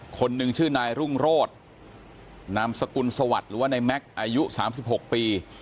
คนหนึ่งชื่อนายรุ่งโรธนามสกุลสวัสดิ์หรือว่าในแม็กซ์อายุ๓๖ปี